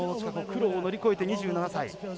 苦労を乗り越えて、２７歳。